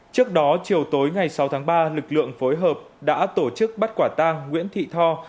trước đó chiều tối ngày sáu tháng ba lực lượng phối hợp đã tổ chức bắt quả tang nguyễn thị tho